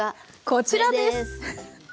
こちらです。